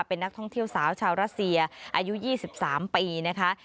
เป็นนักท่องเที่ยวสาวชาวรัสเซียอายุ๒๓ปีนะคะ